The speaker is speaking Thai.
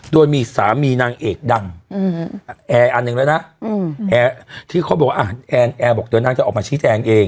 โดยมีสามีนางเอกดังแอร์อันหนึ่งแล้วนะแอร์ที่เขาบอกว่าแอร์บอกเดี๋ยวนางจะออกมาชี้แจงเอง